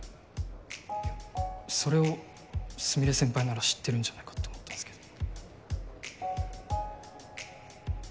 それを菫先輩なら知ってるんじゃないかって思ったんですけど。